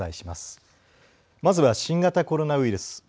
まずは新型コロナウイルス。